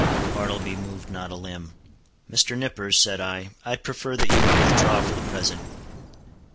Bartleby moved not a limb. "Mr. Nippers," said I, "I'd prefer that you would withdraw for the present."